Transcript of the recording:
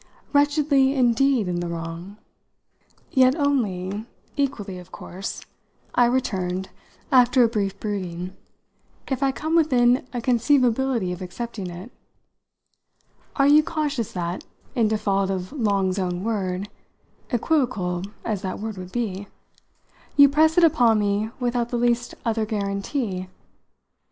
"Wretchedly indeed in the wrong!" "Yet only equally of course," I returned after a brief brooding, "if I come within a conceivability of accepting it. Are you conscious that, in default of Long's own word equivocal as that word would be you press it upon me without the least other guarantee?"